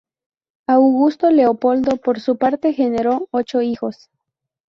Augusto Leopoldo, por su parte, generó ocho hijos.